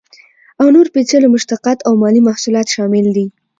او نور پیچلي مشتقات او مالي محصولات شامل دي.